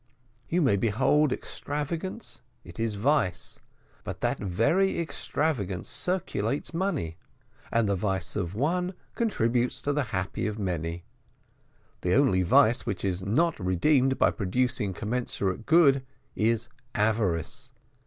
You may behold extravagance it is a vice; but that very extravagance circulates money, and the vice of one contributes to the happiness of many. The only vice which is not redeemed by producing commensurate good, is avarice.